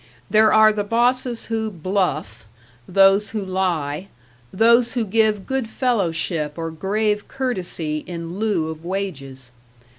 There are the bosses who "bluff," those who lie, those who give good fellowship or grave courtesy in lieu of wages.